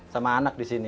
sama anak di sini